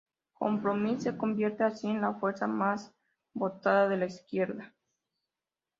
Compromís se convierte así en la fuerza más votada de la izquierda.